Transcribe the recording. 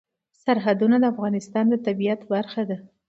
سرحدونه د افغانستان د طبیعت برخه ده.